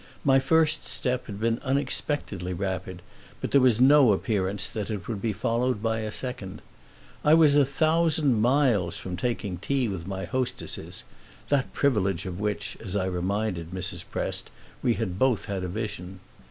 My first step had been unexpectedly rapid, but there was no appearance that it would be followed by a second. I was a thousand miles from taking tea with my hostesses that privilege of which, as I reminded Mrs. Prest, we both had had a vision.